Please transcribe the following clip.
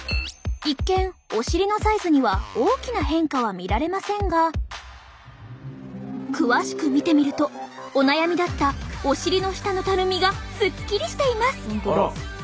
一見お尻のサイズには大きな変化は見られませんが詳しく見てみるとお悩みだったお尻の下のたるみがスッキリしています！